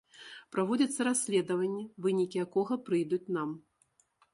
Праводзіцца расследаванне, вынікі якога прыйдуць нам.